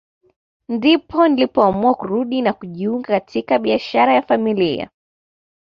Ndipo nilipoamua kurudi na kujiunga katika biashara ya familia